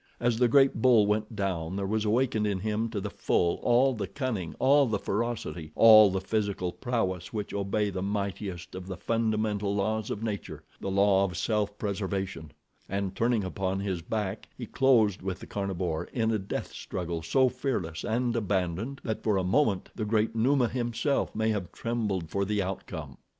As the great bull went down there was awakened in him to the full all the cunning, all the ferocity, all the physical prowess which obey the mightiest of the fundamental laws of nature, the law of self preservation, and turning upon his back he closed with the carnivore in a death struggle so fearless and abandoned, that for a moment the great Numa himself may have trembled for the outcome.